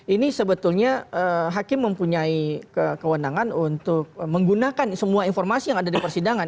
ini sebetulnya hakim mempunyai kewenangan untuk menggunakan semua informasi yang ada di persidangan